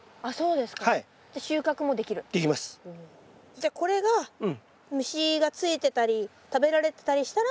じゃあこれが虫がついてたり食べられてたりしたら。